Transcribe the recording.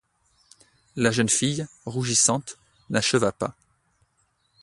La jeune fille, rougissante, n’acheva pas.